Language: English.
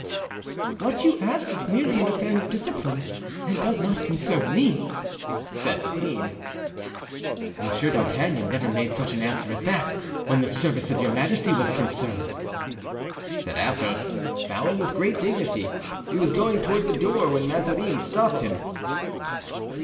"What you ask is merely an affair of discipline and does not concern me," said the queen. "Monsieur d'Artagnan never made such an answer as that when the service of your majesty was concerned," said Athos, bowing with great dignity. He was going toward the door when Mazarin stopped him.